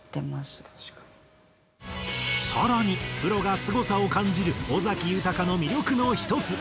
更にプロがすごさを感じる尾崎豊の魅力の１つ。